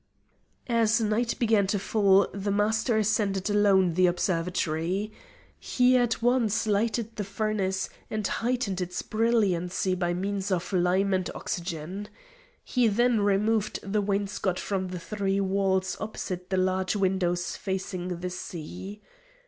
As night began to fall the Master ascended alone to the observatory. He at once lighted the furnace, and heightened its brilliancy by means of lime and oxygen. He then removed the wainscot from the three walls opposite the large windows facing the sea.